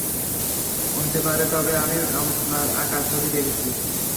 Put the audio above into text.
হতে পারে, তবে আমি আপনার আঁকা ছবি দেখেছি।